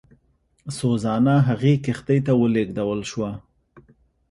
سوزانا هغې کښتۍ ته ولېږدول شوه.